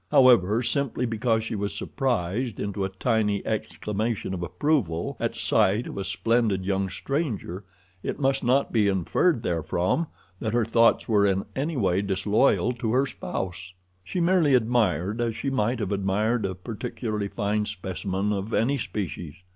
However, simply because she was surprised into a tiny exclamation of approval at sight of a splendid young stranger it must not be inferred therefrom that her thoughts were in any way disloyal to her spouse. She merely admired, as she might have admired a particularly fine specimen of any species.